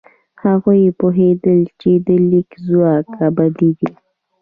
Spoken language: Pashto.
هغوی پوهېدل چې د لیک ځواک ابدي دی.